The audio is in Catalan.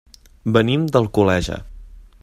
Venim d'Alcoleja.